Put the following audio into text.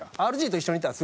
ＲＧと一緒にいたら。